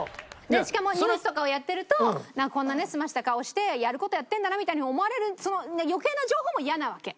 しかもニュースとかをやってるとこんなねすました顔してやる事やってんだなみたいに思われるその余計な情報も嫌なわけ。